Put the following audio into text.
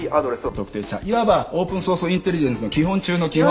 いわばオープンソースインテリジェンスの基本中の基本。